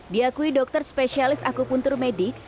diakui dokter spesialis aku puntur medik